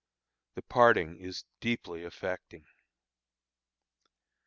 The parting is deeply affecting.